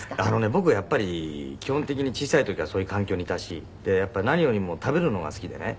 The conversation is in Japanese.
僕は基本的に小さい時からそういう環境にいたしやっぱ何よりも食べるのが好きでね。